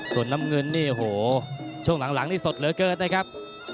ส่วนน้ำเงินนี่โอ้โหช่วงหลังนี่สดเหลือเกินนะครับ